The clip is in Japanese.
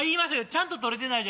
ちゃんと撮れてない。